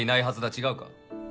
違うか？